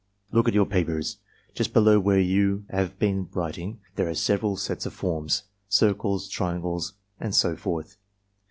"Look at your papers. Just below where you have been writing, there are several sets of forms — circles, triangles, and so forth.